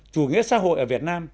chủ nghĩa xã hội ở việt nam